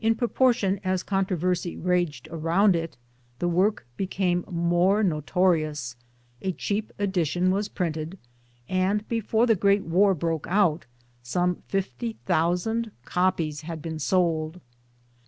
TRANSLATIONS AND TRANSLATORS 273 portion as controversy raged around it the work became more notorious, a cheap edition was printed, and before the Great War broke out some fifty thousand copies had been sold.